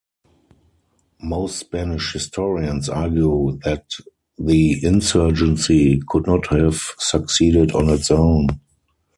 Most Spanish historians argue that the insurgency could not have succeeded on its own.